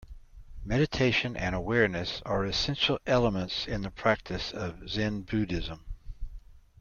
Meditation and awareness are essential elements in the practice of Zen Buddhism